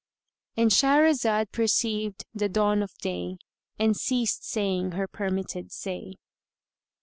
——And Shahrazad perceived the dawn of day and ceased saying her permitted say.